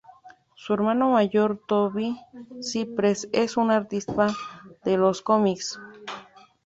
Su hermano mayor Toby Cypress es un artista de los cómics.